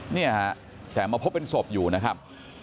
เนี่ยฮะแต่มาพบเป็นศพอยู่นะครับ